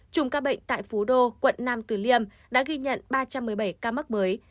chùm ca bệnh tại phú đô quận nam tử liêm đã ghi nhận ba trăm một mươi bảy ca mắc mới